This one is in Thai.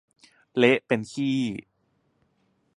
เละเป็นขี้